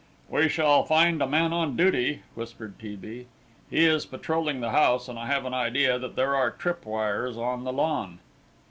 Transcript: "We shall find a man on duty," whispered T. B.; "he is patrolling the house, and I have an idea that there are trip wires on the lawn."